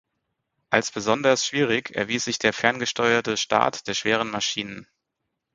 Als besonders schwierig erwies sich der ferngesteuerte Start der schweren Maschinen.